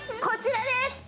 こちらです！